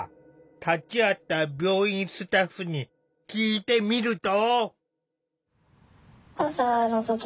立ち会った病院スタッフに聞いてみると。